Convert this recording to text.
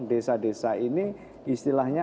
desa desa ini istilahnya